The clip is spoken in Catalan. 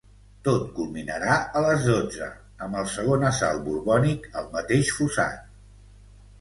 Tot culminarà a les dotze, amb el segon assalt borbònic al mateix fossat.